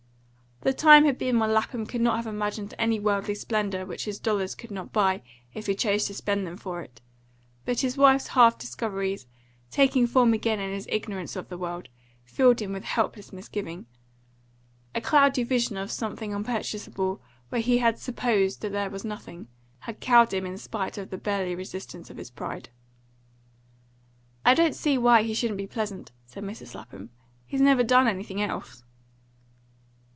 The time had been when Lapham could not have imagined any worldly splendour which his dollars could not buy if he chose to spend them for it; but his wife's half discoveries, taking form again in his ignorance of the world, filled him with helpless misgiving. A cloudy vision of something unpurchasable, where he had supposed there was nothing, had cowed him in spite of the burly resistance of his pride. "I don't see why he shouldn't be pleasant," said Mrs. Lapham. "He's never done anything else."